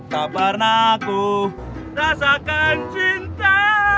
tak pernah aku rasakan cinta